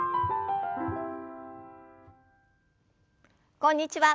こんにちは。